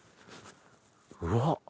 うわっ！